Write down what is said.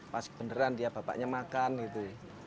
pas kebenderan dia bapaknya makan gitu